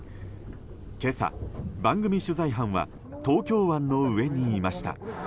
今朝、番組取材班は東京湾の上にいました。